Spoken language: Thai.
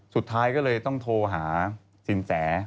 สุดท้ายก็เลยต้องโทรหาสินแส